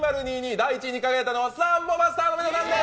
第１位に輝いたのはサンボマスターの皆さんです！